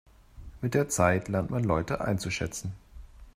Mit der Zeit lernt man Leute einzuschätzen.